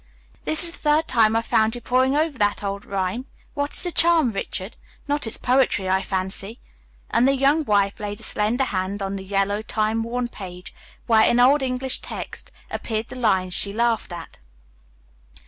_ "This is the third time I've found you poring over that old rhyme. What is the charm, Richard? Not its poetry I fancy." And the young wife laid a slender hand on the yellow, time worn page where, in Old English text, appeared the lines she laughed at.